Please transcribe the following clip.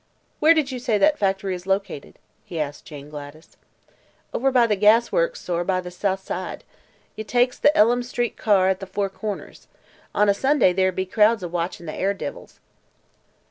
"Where did you say that factory is located?" he asked Jane Gladys. "Over by the gas works, sor, be the South Side. Ye takes the Ellem street car, at the four corners. On a Sunday there be crowds a watchin' the air divils."